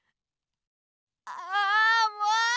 あもう！